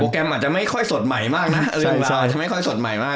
โปรแกรมอาจจะไม่ค่อยสดใหม่มากนะเรื่องราวอาจจะไม่ค่อยสดใหม่มาก